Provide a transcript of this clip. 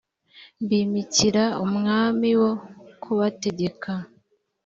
mbimikira umwami wo kubategeka